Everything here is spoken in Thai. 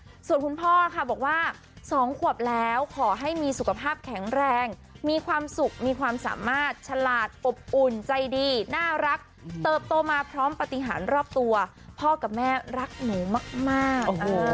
ส่วนคุณพ่อค่ะบอกว่า๒ขวบแล้วขอให้มีสุขภาพแข็งแรงมีความสุขมีความสามารถฉลาดอบอุ่นใจดีน่ารักเติบโตมาพร้อมปฏิหารรอบตัวพ่อกับแม่รักหนูมาก